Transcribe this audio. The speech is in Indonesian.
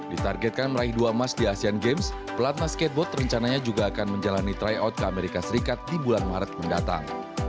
ditargetkan meraih dua emas di asean games pelatna skateboard rencananya juga akan menjalani tryout ke amerika serikat di bulan maret mendatang